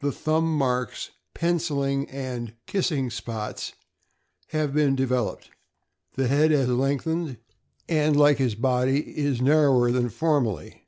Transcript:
The thumb marks, pencilings, and " kissing spots " have been developed, the head has lengthened, and, like his body, is narrower than formerly.